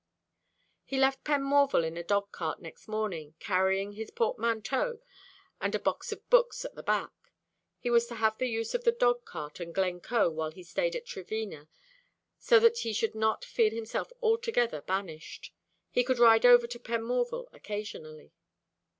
He left Penmorval in a dog cart next morning, carrying his portmanteau and a box of books at the back. He was to have the use of the dog cart and Glencoe while he stayed at Trevena, so that he should not feel himself altogether banished. He could ride over to Penmorval occasionally.